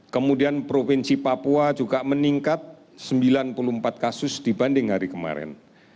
kita juga meningkat sembilan puluh empat kasus dibanding hari kemarin